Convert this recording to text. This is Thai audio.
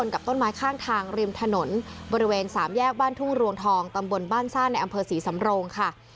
กับต้นไม้ข้างทางริมถนนบริเวณสามแยกบ้านทุ่งรวงทองตำบลบ้านซ่าในอำเภอศรีสำโรงค่ะ